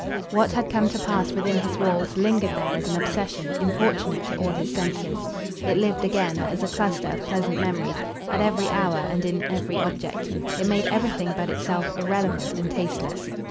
What had come to pass within his walls lingered there as an obsession importunate to all his senses; it lived again, as a cluster of pleasant memories, at every hour and in every object; it made everything but itself irrelevant and tasteless.